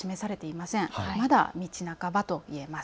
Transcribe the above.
まだ道半ばと言えます。